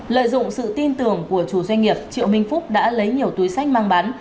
lợi dụng sự tin tưởng của chủ doanh nghiệp triệu minh phúc đã lấy nhiều túi sách mang bán